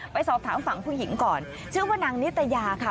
ไปสอบถามฝั่งผู้หญิงก่อนชื่อว่านางนิตยาค่ะ